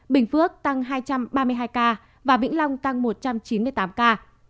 bình phước tăng hai trăm ba mươi hai ca và vĩnh long tăng một trăm chín mươi tám ca